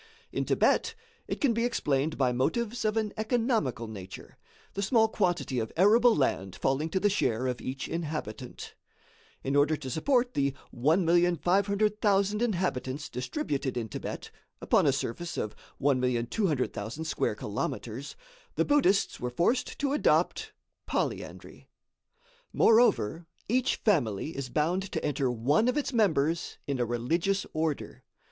In Thibet it can be explained by motives of an economical nature; the small quantity of arable land falling to the share of each inhabitant. In order to support the 1,500,000 inhabitants distributed in Thibet, upon a surface of 1,200,000 square kilometres, the Buddhists were forced to adopt polyandry. Moreover, each family is bound to enter one of its members in a religious order.